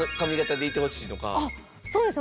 そうですね